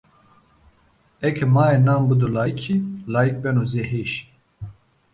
Eke mae nan bıdo layıki, layık beno zê heşi.